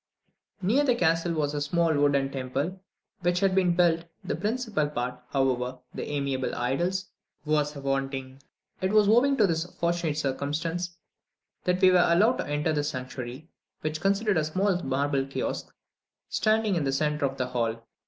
Near the castle was a small wooden temple, which had just been built; the principal part, however, the amiable idols, was awanting. It was owing to this fortunate circumstance that we were allowed to enter the sanctuary, which consisted of a small marble kiosk standing in the centre of the hall.